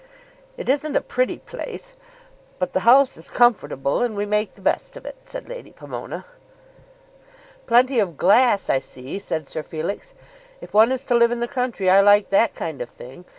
"It isn't a pretty place; but the house is comfortable, and we make the best of it," said Lady Pomona. "Plenty of glass, I see," said Sir Felix. "If one is to live in the country, I like that kind of thing.